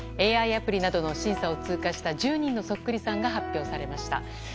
ＡＩアプリなどの審査を通過した１０人のそっくりさんが発表されました。